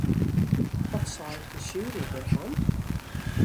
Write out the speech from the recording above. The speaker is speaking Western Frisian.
Wat seit de sjuery derfan?